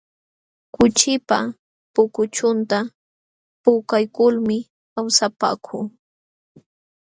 Kuchipa pukuchunta puukaykulmi awsapaakuu.